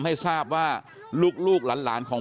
เดี๋ยวให้กลางกินขนม